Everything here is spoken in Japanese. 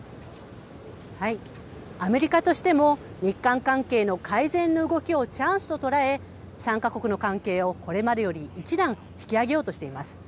アメリカとしても、日韓関係の改善の動きをチャンスと捉え、３か国の関係をこれまでより一段引き上げようとしています。